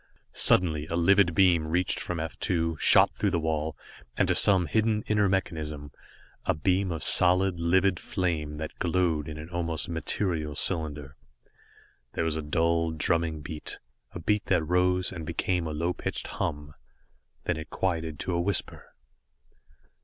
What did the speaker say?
Suddenly, a livid beam reached from F 2, shot through the wall, and to some hidden inner mechanism a beam of solid, livid flame that glowed in an almost material cylinder. There was a dull, drumming beat, a beat that rose, and became a low pitched hum. Then it quieted to a whisper.